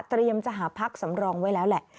จะหาพักสำรองไว้แล้วแหละ